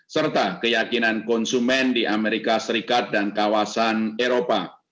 serta keyakinan konsumen di amerika serikat dan kawasan eropa